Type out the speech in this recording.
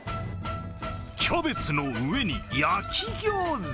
キャベツの上に焼きギョーザ。